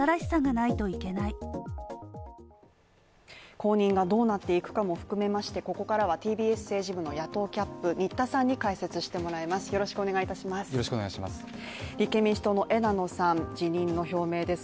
後任がどうなっていくのかも含めましてここからはＴＢＳ政治部の野党キャップ新田さんに解説してもらいます。